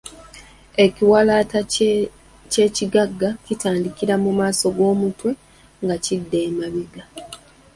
Ekiwalaata eky’ekigagga kitandikira mu maaso g'omutwe nga kidda emabega.